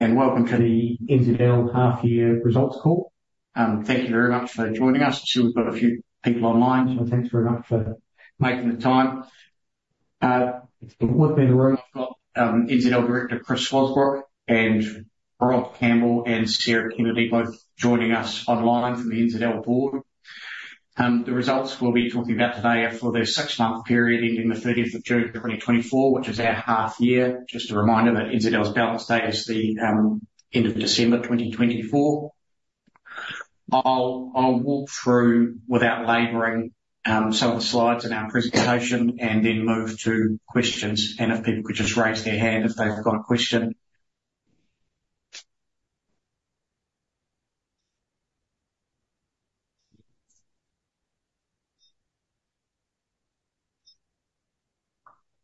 And welcome to the NZL Half-Year Results Call. Thank you very much for joining us. I see we've got a few people online, so thanks very much for making the time. With me today, I've got NZL director, Chris Swasbrook, and Rob Campbell and Sarah Kennedy, both joining us online from the NZL board. The results we'll be talking about today are for the six-month period, ending the 30 June, 2024, which is our half year. Just a reminder that NZL's balance date is the end of December 2024. I'll walk through without laboring some of the slides in our presentation and then move to questions, and if people could just raise their hand if they've got a question.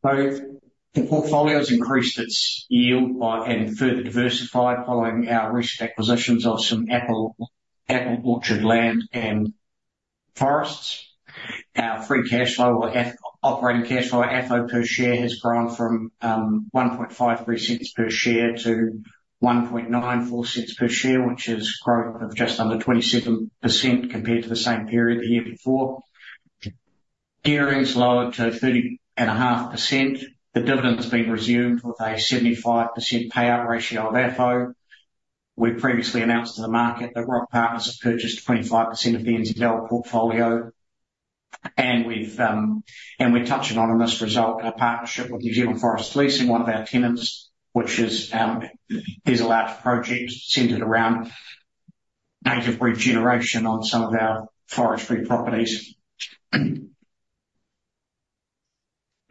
So the portfolio's increased its yield by, and further diversified following our recent acquisitions of some apple orchard land and forests. Our free cash flow or operating cash flow, FO per share, has grown from 1.53 cents per share to 1.94 cents per share, which is growth of just under 27% compared to the same period the year before. Gearing's lowered to 30.5%. The dividend has been resumed with a 75% payout ratio of FO. We previously announced to the market that Roc Partners have purchased 25% of the NZL portfolio, and we've and we're touching on in this result, our partnership with New Zealand Forest Leasing, one of our tenants, which is a large project centered around native regeneration on some of our forestry properties.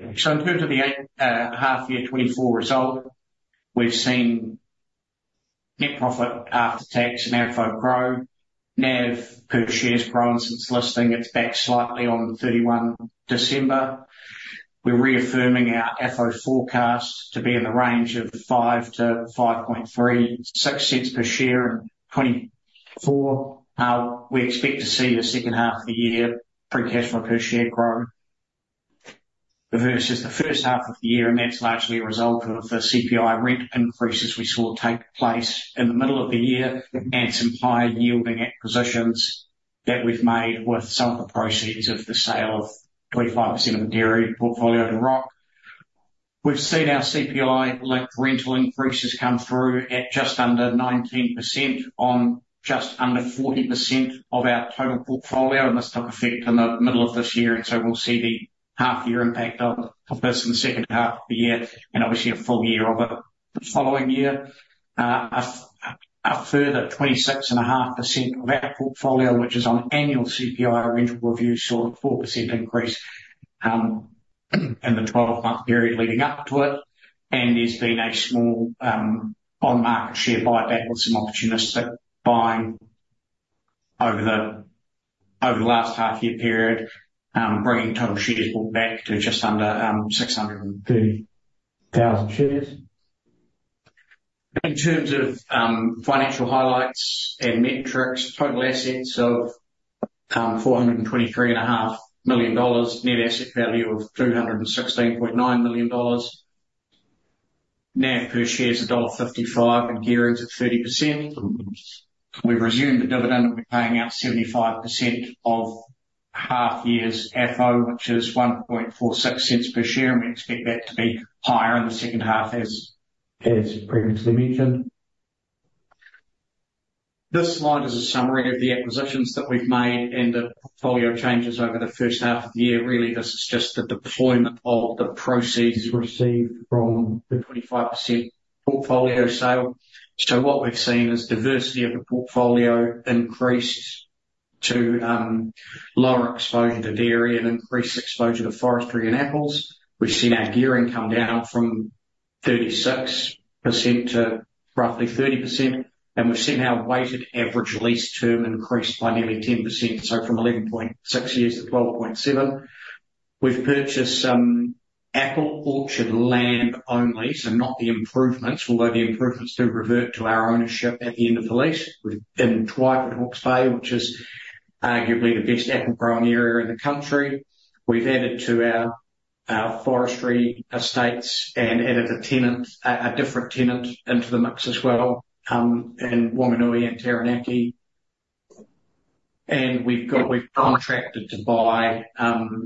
In terms of the half-year 2024 result, we've seen net profit after tax and FO grow. NAV per share has grown since listing. It's back slightly from 31 December. We're reaffirming our FO forecast to be in the range of 0.05-0.0536 per share in 2024. We expect to see the second half of the year free cash flow per share grow, versus the first half of the year, and that's largely a result of the CPI rent increases we saw take place in the middle of the year, and some higher-yielding acquisitions that we've made with some of the proceeds of the sale of 25% of the dairy portfolio to Roc. We've seen our CPI-linked rental increases come through at just under 19% on just under 40% of our total portfolio, and this took effect in the middle of this year, and so we'll see the half year impact of this in the second half of the year, and obviously a full year of it the following year. A further 26.5% of our portfolio, which is on annual CPI rental review, saw a 4% increase in the twelve-month period leading up to it. And there's been a small on-market share buyback with some opportunistic buying over the last half-year period, bringing total shares bought back to just under 630,000 shares. In terms of financial highlights and metrics, total assets of 423.5 million dollars. Net asset value of 216.9 million dollars. NAV per share is dollar 1.55, and gearing's at 30%. We've resumed the dividend, and we're paying out 75% of half year's FO, which is 1.46 cents per share, and we expect that to be higher in the second half, as previously mentioned. This slide is a summary of the acquisitions that we've made and the portfolio changes over the first half of the year. Really, this is just the deployment of the proceeds received from the 25% portfolio sale. So what we've seen is diversity of the portfolio increased to, lower exposure to dairy and increased exposure to forestry and apples. We've seen our gearing come down from 36% to roughly 30%, and we've seen our weighted average lease term increase by nearly 10%, so from 11.6 years to 12.7. We've purchased some apple orchard land only, so not the improvements, although the improvements do revert to our ownership at the end of the lease. We've purchased in Twyford, Hawke's Bay, which is arguably the best apple-growing area in the country. We've added to our forestry estates and added a tenant, a different tenant into the mix as well, in Whanganui and Taranaki. And we've contracted to buy an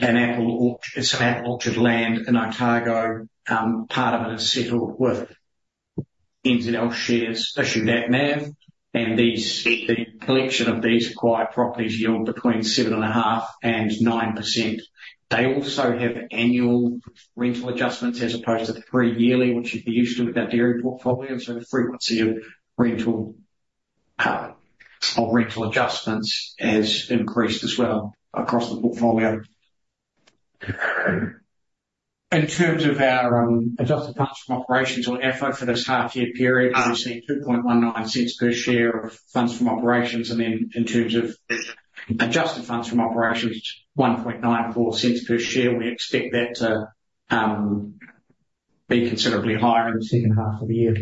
apple orchard, some apple orchard land in Otago, part of it is settled with NZL shares issued at NAV, and the collection of these acquired properties yield between 7.5% and 9%. They also have annual rental adjustments as opposed to three yearly, which you'd be used to with our dairy portfolio. So the frequency of rental adjustments has increased as well across the portfolio. In terms of our adjusted funds from operations or FO for this half year period, we've seen 2.19 cents per share of funds from operations, and then in terms of adjusted funds from operations, 1.94 cents per share. We expect that to be considerably higher in the second half of the year.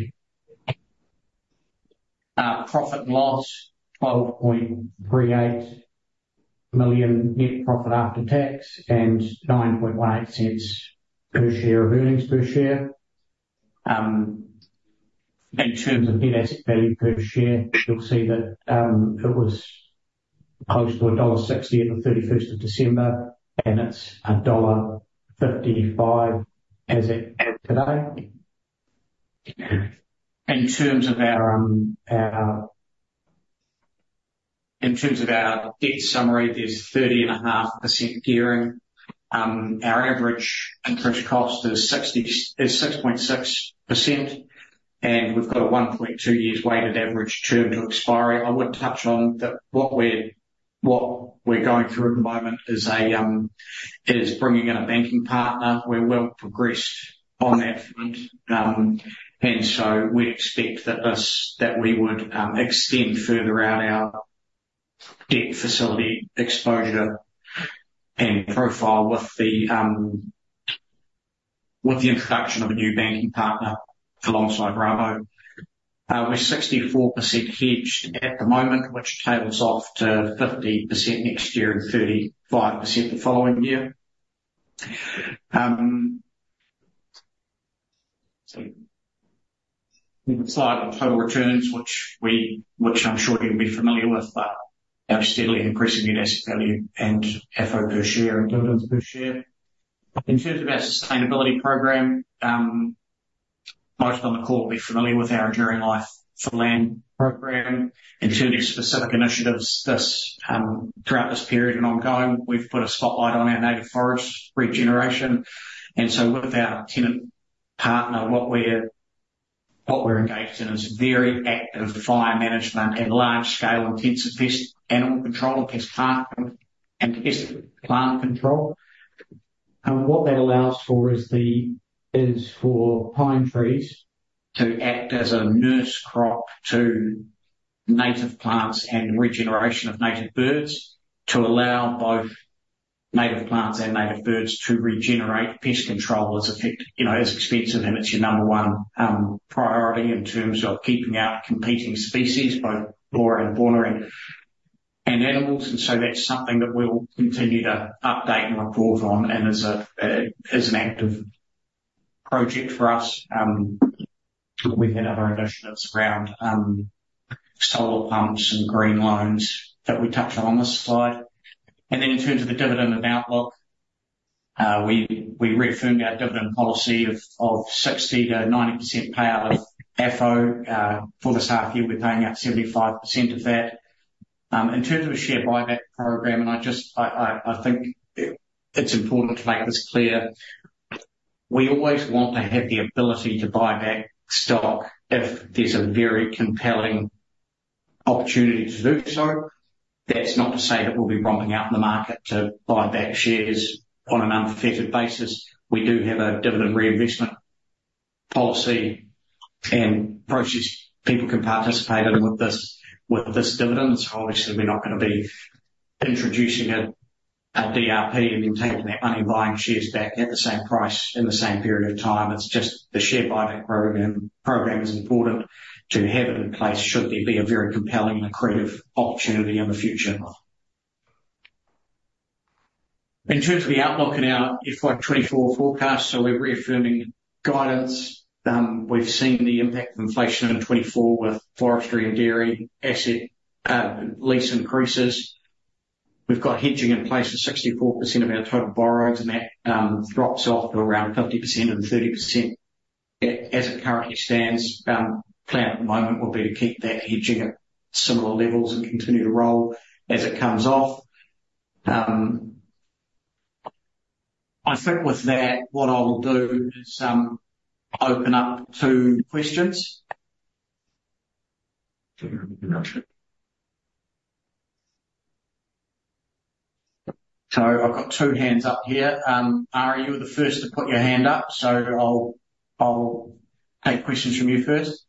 Profit and loss, 12.38 million net profit after tax, and 9.18 cents per share of earnings per share. In terms of net asset value per share, you'll see that it was close to dollar 1.60 at the thirty-first of December, and it's dollar 1.55 as of today. In terms of our debt summary, there's 30.5% gearing. Our average interest cost is 6.6%, and we've got a 1.2 years weighted average term to expiry. I would touch on that. What we're going through at the moment is bringing in a banking partner. We're well progressed on that front. And so we expect that we would extend further out our debt facility exposure and profile with the introduction of a new banking partner alongside Rabo. We're 64% hedged at the moment, which tails off to 50% next year and 35% the following year. So the slide on total returns, which I'm sure you'll be familiar with, our steadily increasing net asset value and FO per share and dividends per share. In terms of our sustainability program, most on the call will be familiar with our Enduring Life for Land program. In terms of specific initiatives, this throughout this period and ongoing, we've put a spotlight on our native forest regeneration. And so with our tenant partner, what we're engaged in is very active fire management and large-scale intensive pest animal control, pest plant control. And what that allows for is for pine trees to act as a nurse crop to native plants, and regeneration of native birds, to allow both native plants and native birds to regenerate. Pest control is effective, you know, is expensive, and it's your number one priority in terms of keeping out competing species, both flora and fauna and animals. And so that's something that we'll continue to update and report on, and is an active project for us. We've had other initiatives around solar pumps and green loans that we touched on on this slide. And then in terms of the dividend and outlook, we reaffirmed our dividend policy of 60%-90% payout of FO. For this half year, we're paying out 75% of that. In terms of a share buyback program, and I just think it's important to make this clear. We always want to have the ability to buy back stock if there's a very compelling opportunity to do so. That's not to say that we'll be romping out in the market to buy back shares on an unaffected basis. We do have a dividend reinvestment policy and process people can participate in with this dividend. So obviously we're not going to be introducing a DRP, and then taking that money, buying shares back at the same price, in the same period of time. It's just the share buyback program is important to have it in place, should there be a very compelling and accretive opportunity in the future. In terms of the outlook and our FY 2024 forecast, so we're reaffirming guidance. We've seen the impact of inflation in 2024 with forestry and dairy asset lease increases. We've got hedging in place at 64% of our total borrowings, and that drops off to around 50% and 30%. As it currently stands, plan at the moment will be to keep that hedging at similar levels, and continue to roll as it comes off. I think with that, what I'll do is open up to questions. I've got two hands up here. Arie, you were the first to put your hand up, so I'll take questions from you first.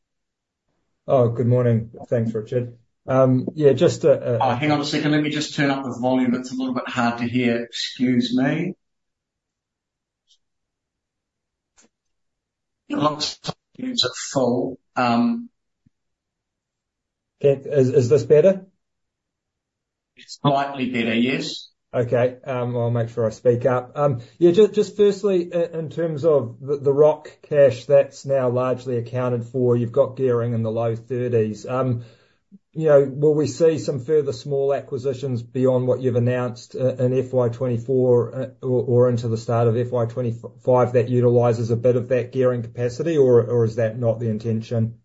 Oh, good morning. Thanks, Richard. Yeah, just a Oh, hang on a second, let me just turn up the volume. It's a little bit hard to hear. Excuse me. It looks like it's at full. Yeah. Is this better? It's slightly better, yes. Okay, I'll make sure I speak up. Yeah, just firstly, in terms of the Roc cash, that's now largely accounted for. You've got gearing in the low thirties. You know, will we see some further small acquisitions beyond what you've announced in FY 2024, or into the start of FY 2025, that utilizes a bit of that gearing capacity? Or is that not the intention?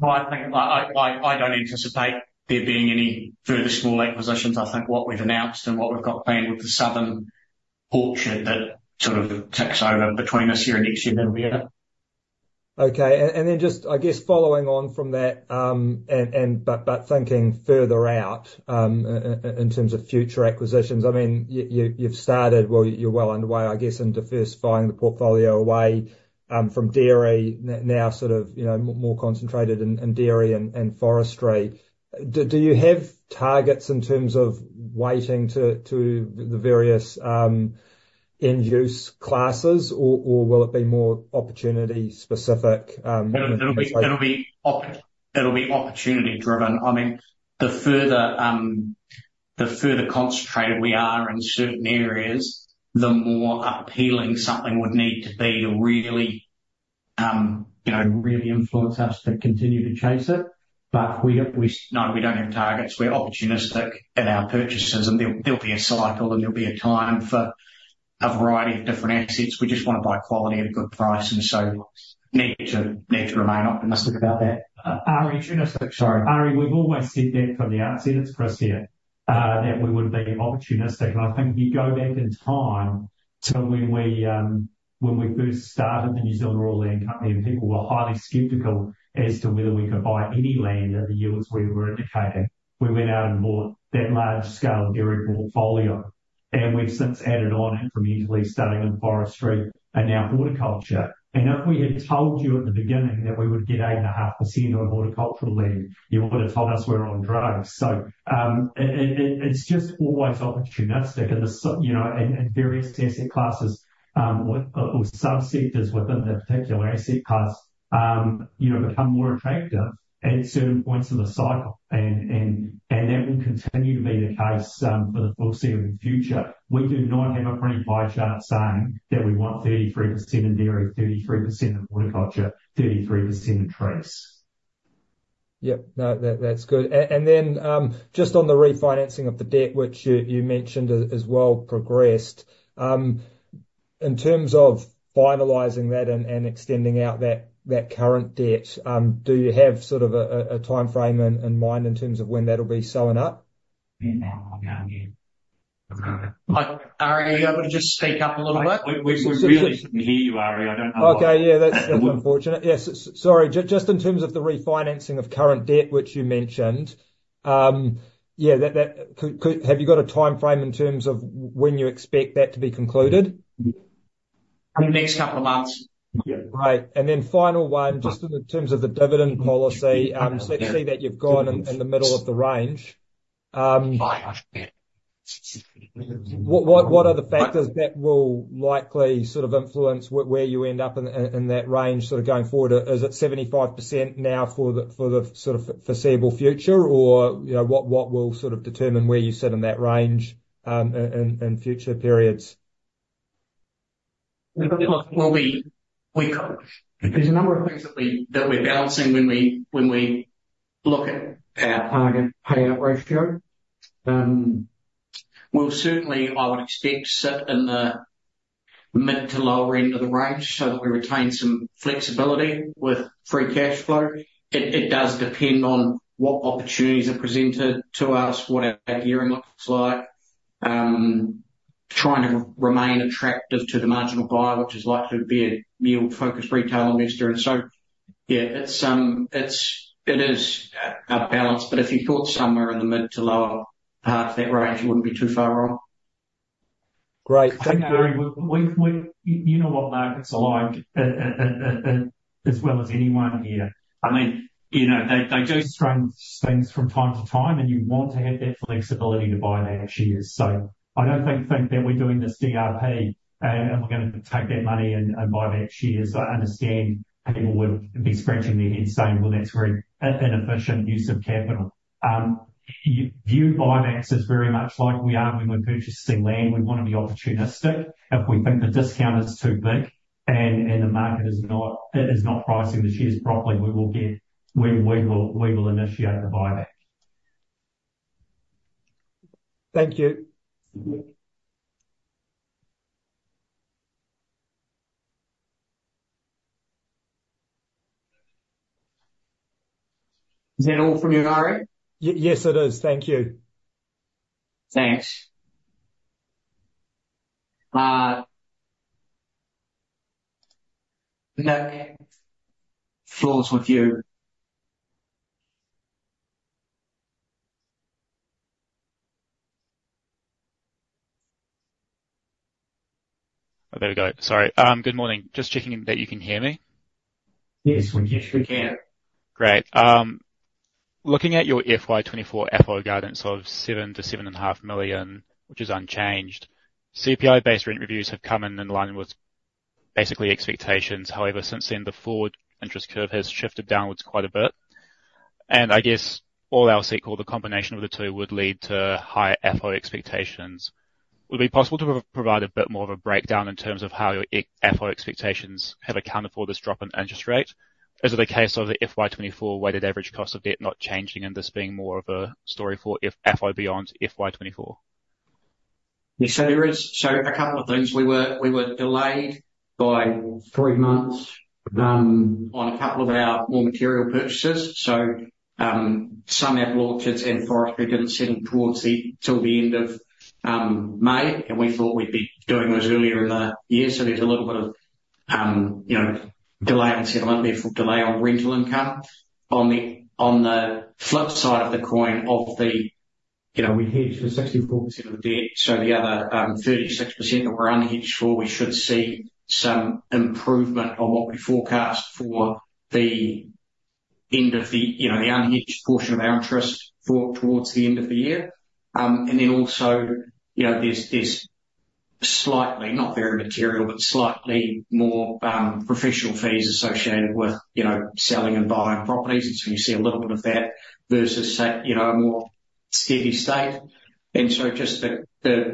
No, I think I don't anticipate there being any further small acquisitions. I think what we've announced and what we've got planned with the southern orchard, that sort of ticks over between this year and next year, that'll be it. Okay, and then just I guess following on from that, but thinking further out, in terms of future acquisitions, I mean, you've started... well, you're well underway, I guess, into first buying the portfolio away from dairy. Now, sort of, you know, more concentrated in dairy and forestry. Do you have targets in terms of weighting to the various end use classes? Or will it be more opportunity specific? It'll be opportunity driven. I mean, the further concentrated we are in certain areas, the more appealing something would need to be to really, you know, really influence us to continue to chase it, but no, we don't have targets. We're opportunistic in our purchases, and there'll be a cycle, and there'll be a time for a variety of different assets. We just want to buy quality at a good price, and so need to remain optimistic about that. Arie, sorry, Arie, we've always said that from the outset. It's Chris here that we would be opportunistic. And I think if you go back in time to when we first started the New Zealand Rural Land Company, and people were highly skeptical as to whether we could buy any land at the yields we were indicating. We went out and bought that large scale dairy portfolio, and we've since added on incrementally, starting in forestry and now horticulture. And if we had told you at the beginning that we would get 8.5% on horticultural land, you would have told us we were on drugs. It's just always opportunistic, and there's, you know, various asset classes, or some sectors within that particular asset class, you know, become more attractive at certain points in the cycle, and that will continue to be the case for the foreseeable future. We do not have a pretty pie chart saying that we want 33% in dairy, 33% in horticulture, 33% in trees. Yep. No, that's good. And then, just on the refinancing of the debt, which you mentioned as well progressed. In terms of finalizing that and extending out that current debt, do you have sort of a timeframe in mind in terms of when that'll be sewn up? Yeah, yeah. Arie, are you able to just speak up a little bit? We really couldn't hear you, Arie. I don't know why. Okay, yeah, that's unfortunate. Yes, sorry, just in terms of the refinancing of current debt, which you mentioned, yeah, that could. Have you got a timeframe in terms of when you expect that to be concluded? In the next couple of months. Yeah. Right, and then final one, just in terms of the dividend policy, so let's say that you've gone in the middle of the range, what are the factors that will likely sort of influence where you end up in that range, sort of, going forward? Is it 75% now for the sort of foreseeable future? Or, you know, what will sort of determine where you sit in that range, in future periods? There's a number of things that we're balancing when we look at our target payout ratio. We'll certainly, I would expect, sit in the mid to lower end of the range so that we retain some flexibility with free cash flow. It does depend on what opportunities are presented to us, what our gearing looks like, trying to remain attractive to the marginal buyer, which is likely to be a yield-focused retail investor, and so yeah, it's a balance, but if you thought somewhere in the mid to lower half of that range, you wouldn't be too far off. Great. Thank you, Arie. We've. You know what markets are like as well as anyone here. I mean, you know, they do strange things from time to time, and you want to have that flexibility to buy back shares. So I don't think that we're doing this DRP, and we're going to take that money and buy back shares. I understand people would be scratching their heads saying, "Well, that's very inefficient use of capital." You view buybacks as very much like we are when we're purchasing land, we want to be opportunistic. If we think the discount is too big and the market is not pricing the shares properly, we will initiate the buyback. Thank you. Is that all from you, Arie? Yes, it is. Thank you. Thanks. The next floor is with you. Oh, there we go. Sorry. Good morning. Just checking in that you can hear me. Yes, we can. Yes, we can. Great. Looking at your FY 2024 FO guidance of $7 million-$7.5 million, which is unchanged, CPI-based rent reviews have come in in line with basically expectations. However, since then, the forward interest curve has shifted downwards quite a bit, and I guess all else equal, the combination of the two would lead to higher FO expectations. Would it be possible to provide a bit more of a breakdown in terms of how your FO expectations have accounted for this drop in interest rate? Is it a case of the FY 2024 weighted average cost of debt not changing, and this being more of a story for FO beyond FY 2024? Yes, so there is. So a couple of things. We were delayed by three months on a couple of our more material purchases. So some of orchards and forestry didn't settle towards the till the end of May, and we thought we'd be doing those earlier in the year. So there's a little bit of you know delay on settlement, therefore delay on rental income. On the on the flip side of the coin of the you know we hedge the 64% of the debt, so the other thirty-six percent that we're unhedged for, we should see some improvement on what we forecast for the end of the you know the unhedged portion of our interest toward towards the end of the year. And then also you know there's. Slightly, not very material, but slightly more professional fees associated with, you know, selling and buying properties, and so you see a little bit of that versus, say, you know, a more steady state. And so just the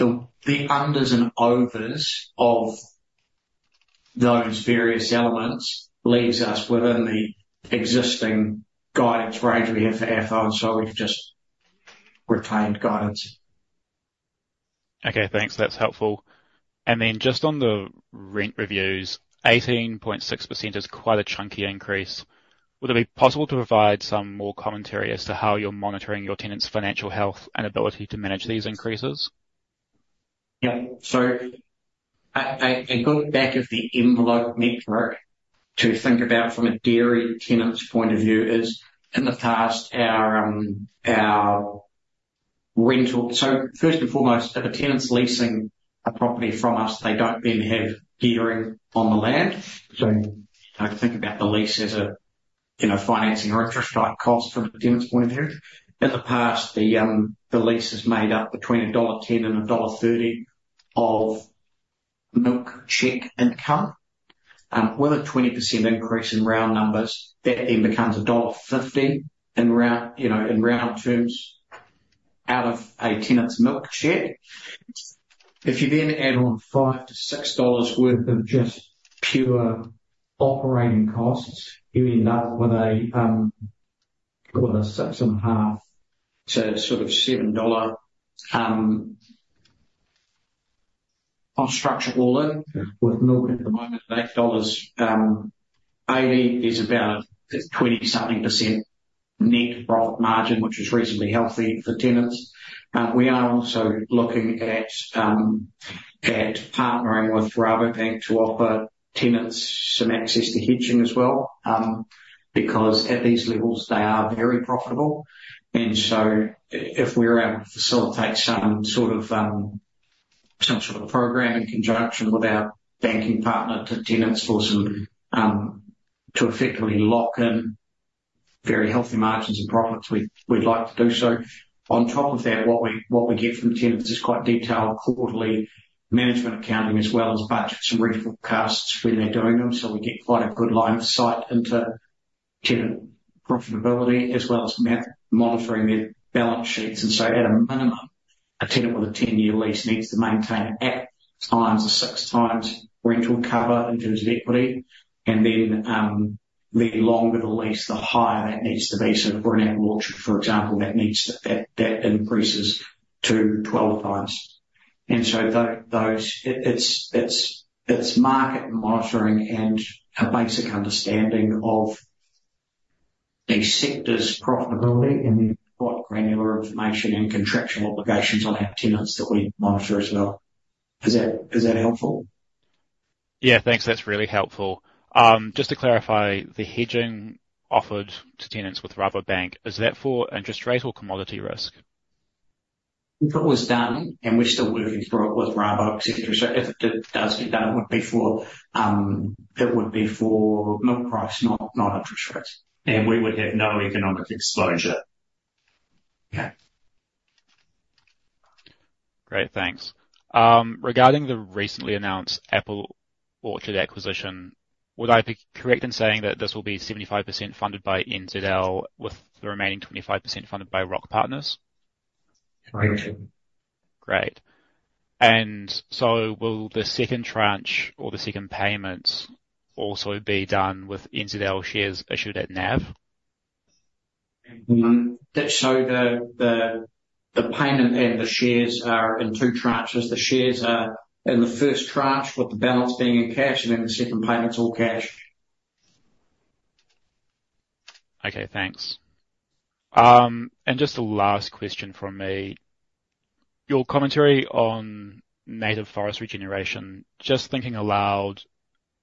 unders and overs of those various elements leaves us within the existing guidance range we have for half on, so we've just retained guidance. Okay, thanks. That's helpful. And then just on the rent reviews, 18.6% is quite a chunky increase. Would it be possible to provide some more commentary as to how you're monitoring your tenants' financial health and ability to manage these increases? Yeah. So a good back-of-the-envelope metric to think about from a dairy tenant's point of view is, in the past, our rental. So first and foremost, if a tenant's leasing a property from us, they don't then have gearing on the land. So I think about the lease as a, you know, financing or interest-like cost from the tenant's point of view. In the past, the lease is made up between dollar 1.10 and dollar 1.30 of milk check income. With a 20% increase in round numbers, that then becomes dollar 1.50 in round, you know, in round terms, out of a tenant's milk check. If you then add on five to six dollars worth of just pure operating costs, you end up with a six and a half to sort of seven dollar on structure all in with milk at the moment, 8.80 dollars is about 20-something% net profit margin, which is reasonably healthy for tenants. We are also looking at partnering with Rabobank to offer tenants some access to hedging as well, because at these levels, they are very profitable. And so if we're able to facilitate some sort of program in conjunction with our banking partner to tenants for some to effectively lock in very healthy margins and profits, we'd like to do so. On top of that, what we get from tenants is quite detailed quarterly management accounting as well as budgets and reforecasts when they're doing them, so we get quite a good line of sight into tenant profitability, as well as monitoring their balance sheets. And so at a minimum, a tenant with a 10-year lease needs to maintain at least 6 times rental cover in terms of equity. And then, the longer the lease, the higher that needs to be. So for an apple orchard, for example, that increases to 12 times. And so those, it's market monitoring and a basic understanding of the sector's profitability and what granular information and contractual obligations on our tenants that we monitor as well. Is that helpful? Yeah, thanks. That's really helpful. Just to clarify, the hedging offered to tenants with Rabobank, is that for interest rate or commodity risk? If it was done, and we're still working through it with Rabobank, et cetera, if it does get done, it would be for milk price, not interest rates, and we would have no economic exposure. Great, thanks. Regarding the recently announced apple orchard acquisition, would I be correct in saying that this will be 75% funded by NZL, with the remaining 25% funded by Roc Partners? Right. Great. And so will the second tranche or the second payment also be done with NZL shares issued at NAV? So the payment and the shares are in two tranches. The shares are in the first tranche, with the balance being in cash, and then the second payment's all cash. Okay, thanks. And just a last question from me. Your commentary on native forest regeneration, just thinking aloud,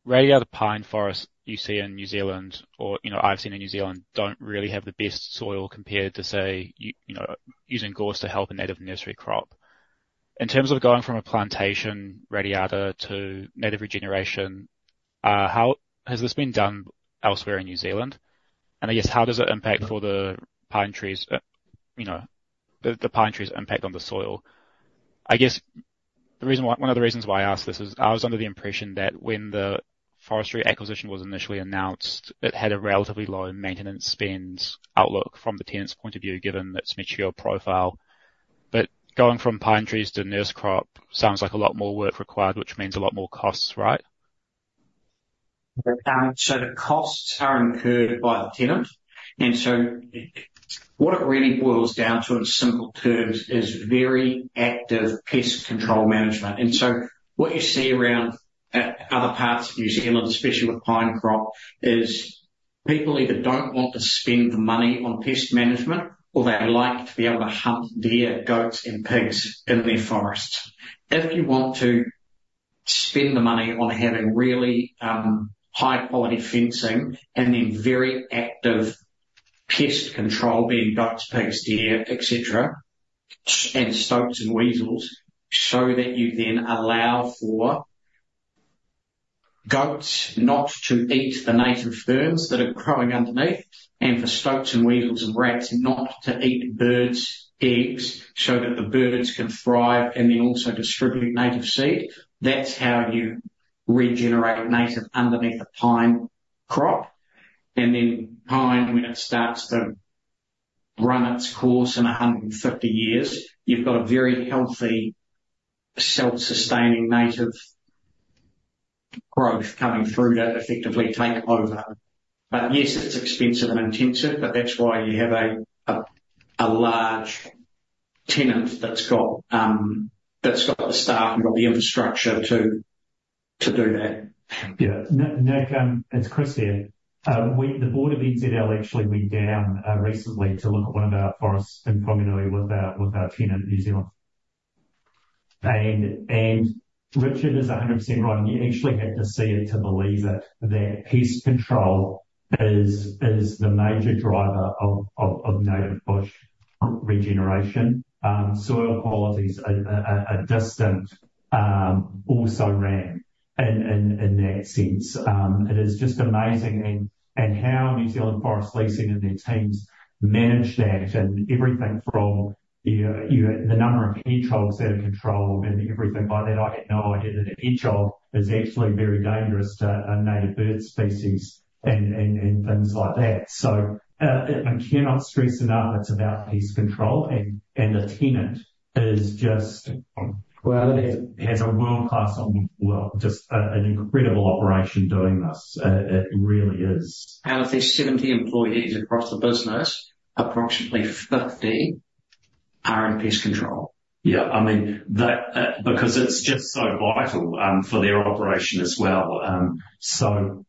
radiata pine forest you see in New Zealand, or, you know, I've seen in New Zealand, don't really have the best soil compared to say, you know, using gorse to help a native nurse crop. In terms of going from a plantation radiata to native regeneration, how has this been done elsewhere in New Zealand? And I guess, how does it impact for the pine trees, the pine trees' impact on the soil? I guess the reason why one of the reasons why I ask this is, I was under the impression that when the forestry acquisition was initially announced, it had a relatively low maintenance spend outlook from the tenant's point of view, given its material profile. But going from pine trees to nurse crop sounds like a lot more work required, which means a lot more costs, right? So the costs are incurred by the tenant, and so what it really boils down to, in simple terms, is very active pest control management. And so what you see around other parts of New Zealand, especially with pine crop, is people either don't want to spend the money on pest management, or they like to be able to hunt deer, goats, and pigs in their forests. If you want to spend the money on having really high-quality fencing and then very active pest control, being goats, pigs, deer, et cetera, and stoats and weasels, so that you then allow for goats not to eat the native ferns that are growing underneath, and for stoats, and weasels, and rats not to eat birds' eggs so that the birds can thrive, and then also distribute native seed. That's how you regenerate native underneath a pine crop, and then pine, when it starts to run its course in a hundred and fifty years, you've got a very healthy, self-sustaining, native growth coming through to effectively take over. But yes, it's expensive and intensive, but that's why you have a large tenant that's got the staff and got the infrastructure to do that. Yeah. Nick, it's Chris here. We, the board of NZL actually went down recently to look at one of our forests in Taranaki with our tenant, New Zealand Forest Leasing. And Richard is 100% right, and you actually had to see it to believe it, that pest control is the major driver of native bush regeneration. Soil quality is a distant also ran in that sense. It is just amazing and how New Zealand Forest Leasing and their teams manage that, and everything from you know the number of hedgehogs that are controlled and everything like that. I had no idea that a hedgehog is actually very dangerous to native bird species and things like that. I cannot stress enough, it's about pest control, and the tenant is just has a world-class one, well, just an incredible operation doing this. It really is. Out of their 70 employees across the business, approximately 50 are in pest control. Yeah, I mean, that, because it's just so vital for their operation as well. So,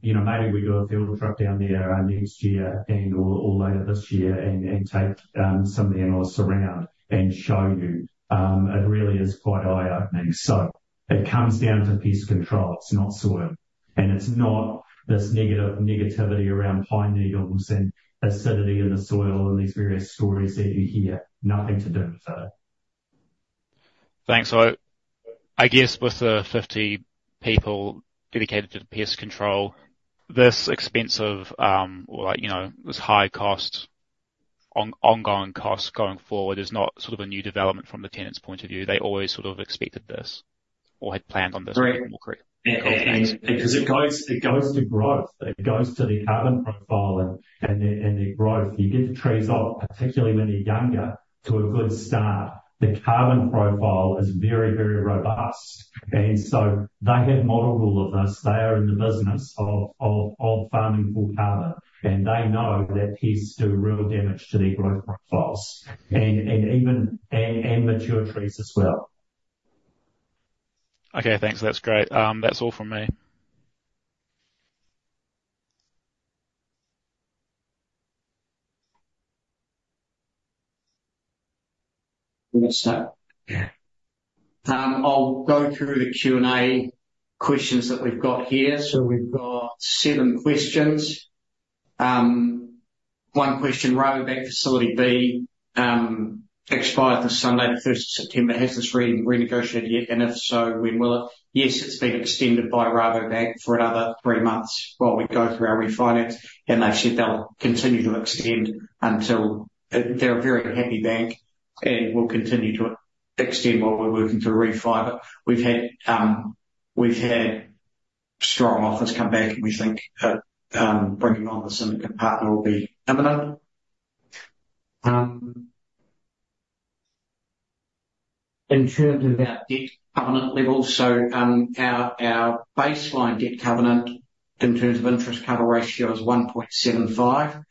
you know, maybe we've got a field trip down there next year and/or later this year, and take some of the analysts around and show you. It really is quite eye-opening. So it comes down to pest control. It's not soil, and it's not this negativity around pine needles, and acidity in the soil, and these various stories that you hear. Nothing to do with it. Thanks. So I guess with the 50 people dedicated to the pest control, this expensive, or like, you know, this high cost ongoing cost going forward is not sort of a new development from the tenant's point of view. They always sort of expected this or had planned on this? Correct. Because it goes to growth, it goes to the carbon profile and the growth. You get the trees off, particularly when they're younger, to a good start. The carbon profile is very, very robust, and so they have modeled all of this. They are in the business of farming for carbon, and they know that pests do real damage to their growth profiles and even mature trees as well. Okay, thanks. That's great. That's all from me. Yeah. I'll go through the Q&A questions that we've got here. So we've got seven questions. One question, Rabobank Facility B, expired this Sunday, the first of September. Has this been re-negotiated yet, and if so, when will it? Yes, it's been extended by Rabobank for another three months while we go through our refinance, and they've said they'll continue to extend until... They're a very happy bank and will continue to extend while we're working through refinance. We've had strong offers come back, and we think that bringing on the significant partner will be imminent. In terms of our debt covenant levels, so our baseline debt covenant in terms of interest coverage ratio is 1.75.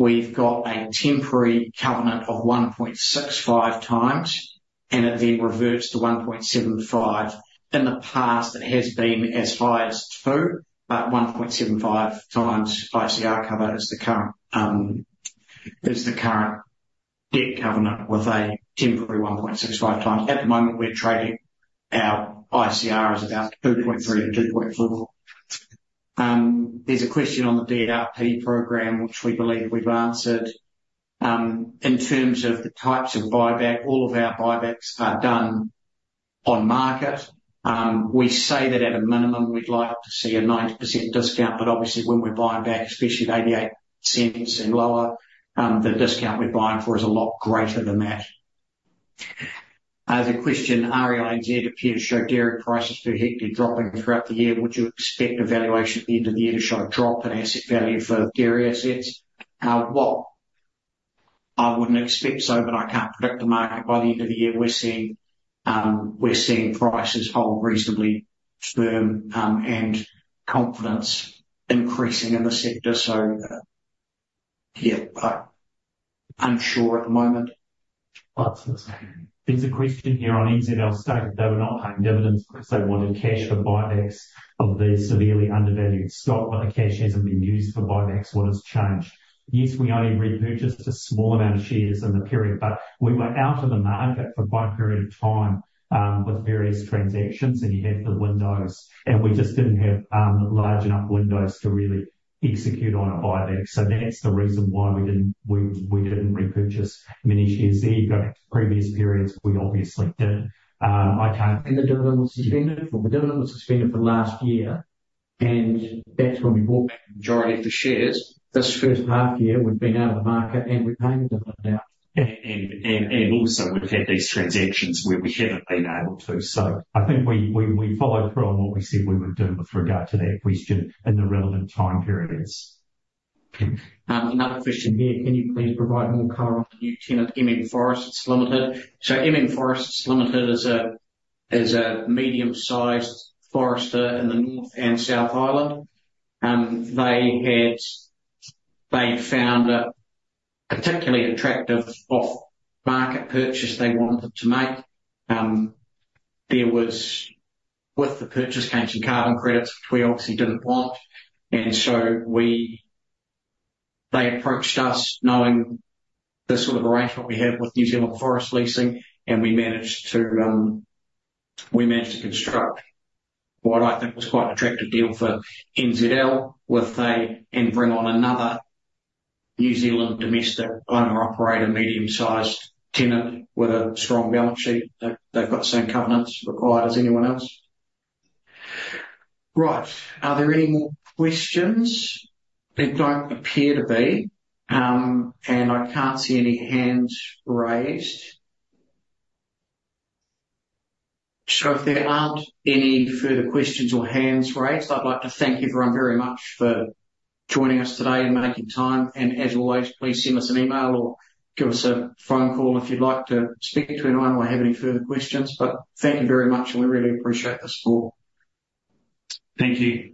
We've got a temporary covenant of 1.65 times, and it then reverts to 1.75. In the past, it has been as high as 2, but 1.75 times ICR cover is the current debt covenant, with a temporary 1.65 times. At the moment, we're trading. Our ICR is about 2.3 to 2.4. There's a question on the DRP program, which we believe we've answered. In terms of the types of buyback, all of our buybacks are done on market. We say that at a minimum, we'd like to see a 90% discount, but obviously, when we're buying back, especially at 0.88 and lower, the discount we're buying for is a lot greater than that. There's a question. REINZ appears to show dairy prices per hectare dropping throughout the year. Would you expect a valuation at the end of the year to show a drop in asset value for dairy assets? Well, I wouldn't expect so, but I can't predict the market. By the end of the year, we're seeing prices hold reasonably firm, and confidence increasing in the sector, so yeah, I'm unsure at the moment. There's a question here on NZL stated they were not paying dividends because they wanted cash for buybacks of the severely undervalued stock, but the cash hasn't been used for buybacks. What has changed? Yes, we only repurchased a small amount of shares in the period, but we were out of the market for quite a period of time with various transactions, and you have the windows, and we just didn't have large enough windows to really execute on a buyback. So that's the reason why we didn't repurchase many shares there. You go back to previous periods, we obviously did. I can't- And the dividend was suspended. Well, the dividend was suspended for the last year... And that's when we bought the majority of the shares. This first half year, we've been out of the market, and we're paying a dividend out. And also, we've had these transactions where we haven't been able to. So I think we followed through on what we said we would do with regard to that question in the relevant time periods. Another question here: Can you please provide more color on the new tenant, MM Forests Limited? So MM Forests Limited is a medium-sized forester in the North and South Islands. They found a particularly attractive off-market purchase they wanted to make. With the purchase came some carbon credits, which we obviously didn't want, and so they approached us knowing the sort of arrangement we had with New Zealand Forest Leasing, and we managed to construct what I think was quite an attractive deal for NZL, and bring on another New Zealand domestic owner/operator, medium-sized tenant with a strong balance sheet. They've got the same covenants required as anyone else. Right. Are there any more questions? There don't appear to be, and I can't see any hands raised. So if there aren't any further questions or hands raised, I'd like to thank everyone very much for joining us today and making time, and as always, please send us an email or give us a phone call if you'd like to speak to anyone or have any further questions. But thank you very much, and we really appreciate the support. Thank you.